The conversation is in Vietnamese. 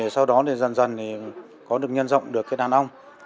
sau đó dần dần có được nhân rộng được đàn ong